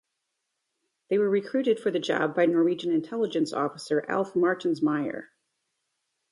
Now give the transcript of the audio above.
They were recruited for the job by the Norwegian intelligence officer Alf Martens Meyer.